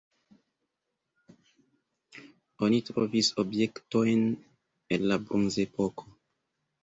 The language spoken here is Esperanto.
Oni trovis objektojn el la bronzepoko.